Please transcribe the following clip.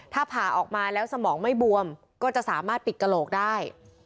ถ้าผ่าออกมาแล้วสมองไม่บวมก็จะสามารถปิดกระโหลกได้